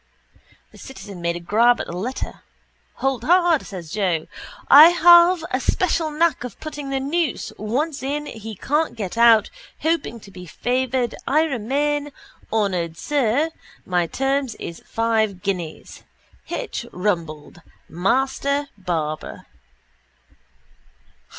_ The citizen made a grab at the letter. —Hold hard, says Joe, _i have a special nack of putting the noose once in he can't get out hoping to be favoured i remain, honoured sir, my terms is five ginnees._ _H. Rumbold, Master Barber.